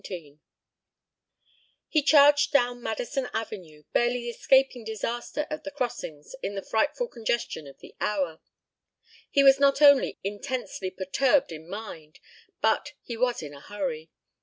XVII He charged down Madison Avenue, barely escaping disaster at the crossings in the frightful congestion of the hour: he was not only intensely perturbed in mind, but he was in a hurry.